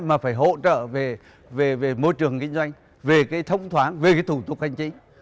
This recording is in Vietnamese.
mà phải hỗ trợ về môi trường kinh doanh về thông thoáng về thủ tục hành trình